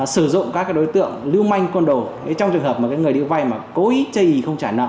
sử dụng các đối tượng lưu manh quân đồ trong trường hợp người đi vay mà cố ý chơi ý không trả nợ